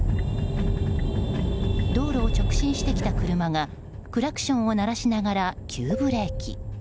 道路を直進してきた車がクラクションを鳴らしながら急ブレーキ。